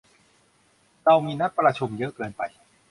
เรามีนัดประชุมเยอะเกินไป